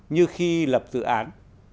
như khi lập dự án